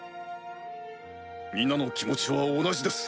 皆の気持ちは同じです。